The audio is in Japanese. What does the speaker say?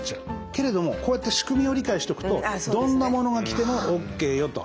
けれどもこうやって仕組みを理解しておくとどんなものが来てもＯＫよと。